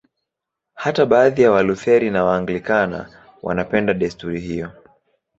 Hata baadhi ya Walutheri na Waanglikana wanapenda desturi hiyo.